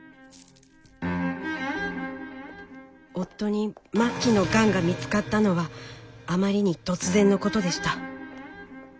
夫に末期のがんが見つかったのはあまりに突然のことでした。